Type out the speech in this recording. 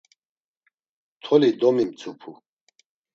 Toli domimtzupu.